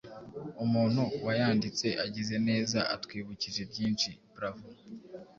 Umuntu wayanditse agize neza atwibukije byinshi. Bravo